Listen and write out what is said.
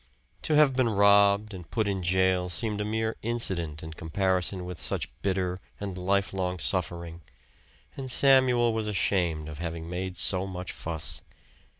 To have been robbed and put in jail seemed a mere incident in comparison with such bitter and I lifelong suffering; and Samuel was ashamed of having made so much fuss.